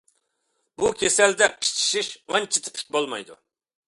بۇ كېسەلدە قىچىشىش ئانچە تىپىك بولمايدۇ.